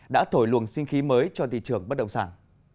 đã thổi luồng sinh khí mới cho thị trường bất động sản